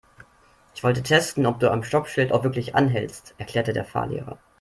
Ich wollte testen, ob du am Stoppschild auch wirklich anhältst, erklärte der Fahrlehrer.